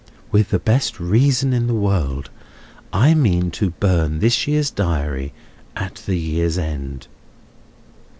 "With the best reason in the world! I mean to burn this year's Diary at the year's end."